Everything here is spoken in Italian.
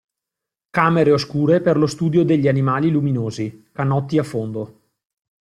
Camere oscure per lo studio degli animali luminosi, canotti a fondo.